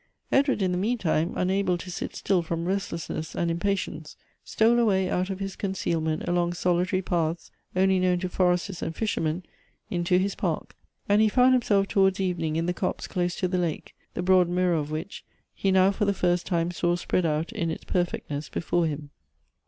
Edward, in the meantime, unable to sit still from rest lessness and impatience, stole away out of his conceal ment along solitary paths only known to foresters and fishermen, into his park ; and he found himself towards evening in the copse close to the lake, the broad mirror of which he now for the first time saw spread out in its perfectness before him.